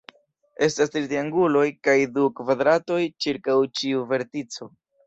Estas tri trianguloj kaj du kvadratoj ĉirkaŭ ĉiu vertico.